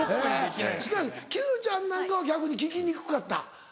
しかしＱちゃんなんかは逆に聞きにくかった。